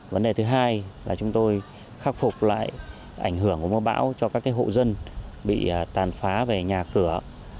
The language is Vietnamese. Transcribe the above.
vấn đề thứ hai là chúng tôi khắc phục lại ảnh hưởng của mưa bão cho các hộ dân bị tàn phá về nhà cửa